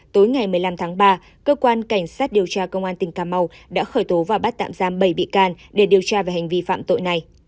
tối ngày một mươi năm tháng ba cơ quan cảnh sát điều tra công an tỉnh cà mau đã khởi tố và bắt tạm giam bảy bị can để điều tra về hành vi phạm tội này